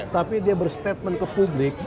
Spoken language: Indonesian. tapi dia berstatement ke publik